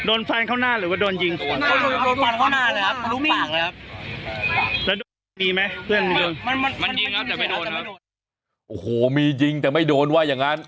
โอ้โหมียิงแต่ไม่โดนว่าอย่างนั้น